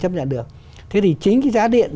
chấp nhận được thế thì chính cái giá điện